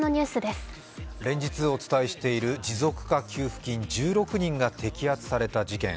連日お伝えしている持続化給付金、１６人が摘発された事件。